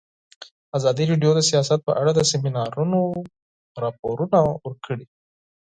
ازادي راډیو د سیاست په اړه د سیمینارونو راپورونه ورکړي.